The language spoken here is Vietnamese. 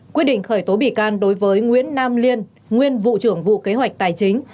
quyết định khởi tố bị can đối với nguyễn nam liên nguyên vụ trưởng vụ kế hoạch tài chính